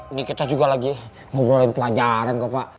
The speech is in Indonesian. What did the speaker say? ini kita juga lagi ngobrolin pelajaran kok pak